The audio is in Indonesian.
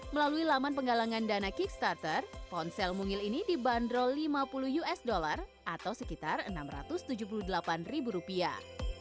melalui laman penggalangan dana kick starter ponsel mungil ini dibanderol lima puluh usd atau sekitar enam ratus tujuh puluh delapan ribu rupiah